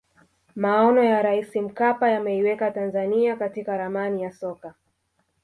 maono ya raisi mkapa yameiweka tanzania katika ramani ya soka